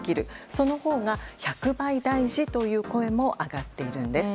そのほうが１００倍大事という声も上がっているんです。